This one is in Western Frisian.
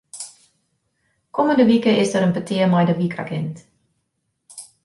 Kommende wike is der in petear mei de wykagint.